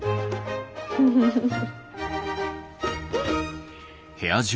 フフフフ。